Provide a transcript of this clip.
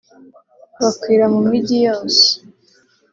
bakwira mu mijyi yose